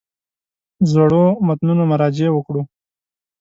زړو متنونو مراجعې وکړو.